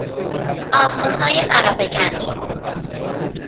آزمونهای فرافکن